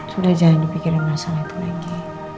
sudah jangan dipikirin masalah itu lagi